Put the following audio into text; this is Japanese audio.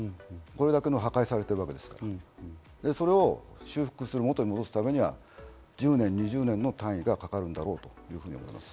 それまで破壊されてるわけですから、それを修復するためには１０年、２０年の単位がかかるんだろうと思います。